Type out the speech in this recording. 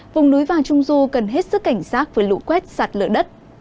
vùng núi và trung du cần hết sức cảnh sát với lụ quét sạt lở đất